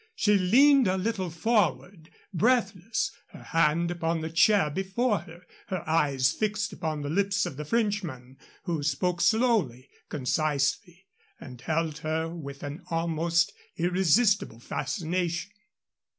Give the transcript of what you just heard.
She leaned a little forward, breathless, her hand upon the chair before her, her eyes fixed upon the lips of the Frenchman, who spoke slowly, concisely, and held her with an almost irresistible fascination.